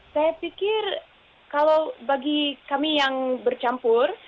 saya pikir kalau bagi kami yang bercampur